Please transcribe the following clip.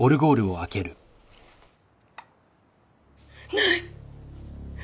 ない！